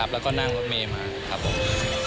แล้วก็นั่งรถเมย์มาครับผม